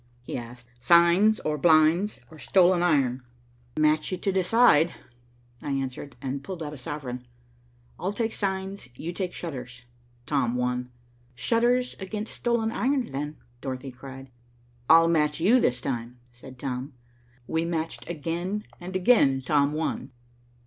he asked, "Signs or blinds or stolen iron?" "Match you to decide," I answered, and I pulled out a sovereign. "I'll take signs, you take shutters." Tom won. "Shutters against stolen iron then," cried Dorothy. "I'll match you this time," said Tom. We matched again, and again Tom won.